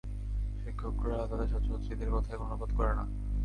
শিক্ষকরা তাদের ছাত্রছাত্রীদের কথায় কর্ণপাত করে না।